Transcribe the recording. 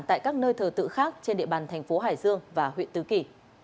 tại các nơi thờ tự khác trên địa bàn thành phố hải dương và huyện tứ kỳ